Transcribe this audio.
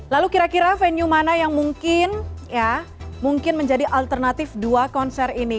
lalu kira kira venue mana yang mungkin ya mungkin menjadi alternatif dua konser ini